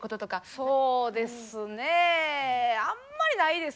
そうですね。